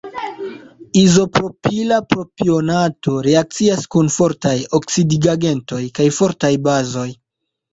Izopropila propionato reakcias kun fortaj oksidigagentoj kaj fortaj bazoj.